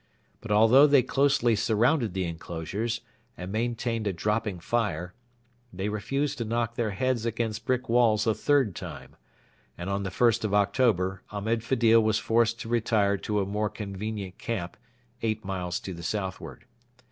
But although they closely surrounded the enclosures, and maintained a dropping fire, they refused to knock their heads against brick walls a third time; and on the 1st of October Ahmed Fedil was forced to retire to a more convenient camp eight miles to the southward.